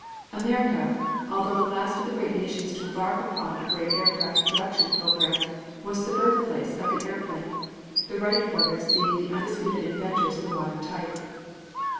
America, although the last of the great nations to embark upon a great aircraft production program, was the birthplace of the airplane, the Wright Brothers being the undisputed inventors of the modern type.